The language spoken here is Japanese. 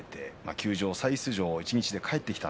休場、再出場一日で帰ってきました。